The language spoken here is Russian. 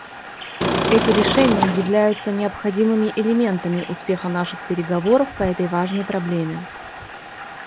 Эти решения являются необходимыми элементами успеха наших переговоров по этой важной проблеме.